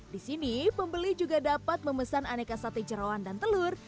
di sini pembeli juga dapat memesan aneka sate jerawan dan telur